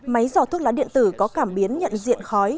máy dò thuốc lá điện tử có cảm biến nhận diện khói